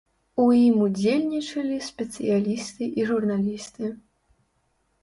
У ім удзельнічалі спецыялісты і журналісты.